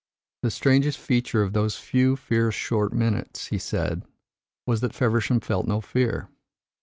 "The strangest feature of those few fierce, short minutes," he said, "was that Feversham felt no fear.